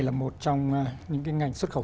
là một trong những ngành xuất khẩu